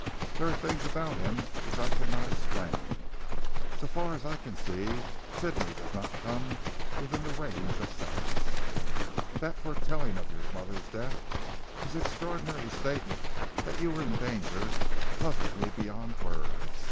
There are things about him which I cannot explain. So far as I can see Sidney does not come within the range of science. That foretelling of your mother's death, and his extraordinary statement that you were in danger, puzzled me beyond words.